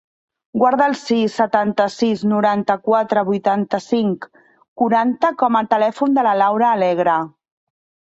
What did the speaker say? Guarda el sis, setanta-sis, noranta-quatre, vuitanta-cinc, quaranta com a telèfon de la Laura Alegre.